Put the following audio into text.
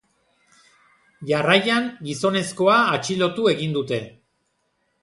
Jarraian gizonezkoa atxilotu egin dute.